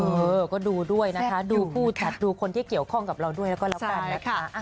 เออก็ดูด้วยนะคะดูผู้จัดดูคนที่เกี่ยวข้องกับเราด้วยแล้วก็แล้วกันนะคะ